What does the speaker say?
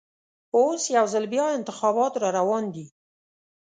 اوس یوځل بیا انتخابات راروان دي.